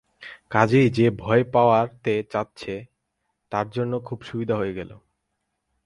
কাজেই যে ভয় পাওয়াতে চাচ্ছে, তার জন্যে খুব সুবিধা হয়ে গেল।